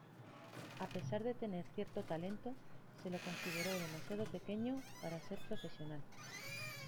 A pesar de tener cierto talento, se lo consideró demasiado pequeño para ser profesional.